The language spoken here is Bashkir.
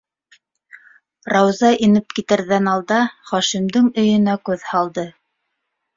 Рауза, инеп китерҙән алда, Хашимдың өйөнә күҙ һалды.